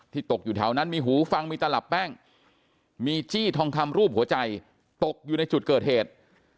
ตกอยู่แถวนั้นมีหูฟังมีตลับแป้งมีจี้ทองคำรูปหัวใจตกอยู่ในจุดเกิดเหตุ